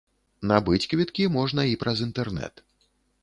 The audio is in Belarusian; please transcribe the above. Набыць квіткі можна і праз інтэрнэт.